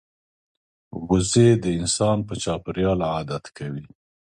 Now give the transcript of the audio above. وزې د انسان په چاپېریال عادت کوي